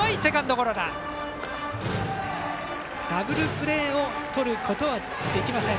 ダブルプレーをとることはできません。